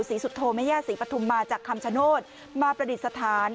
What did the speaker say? ศรีสุธโธมะแยะศรีปฐุมมาจากคำชโนธมาประดิษฐาน